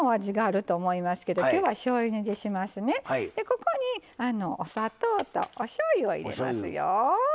ここにお砂糖とおしょうゆを入れますよ。